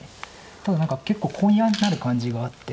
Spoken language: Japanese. ただ何か結構コウになる感じがあって。